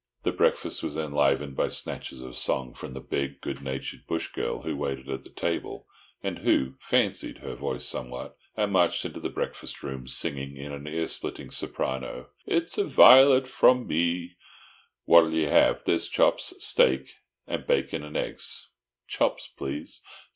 The breakfast was enlivened by snatches of song from the big, good natured bush girl who waited at table, and who "fancied" her voice somewhat, and marched into the breakfast room singing in an ear splitting Soprano: "It's a vilet from me"— (spoken.) "What you'll have, there's chops, steaks, and bacon and eggs"—"Chops, please."